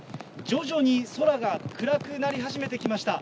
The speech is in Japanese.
徐々に空が暗くなり始めてきました。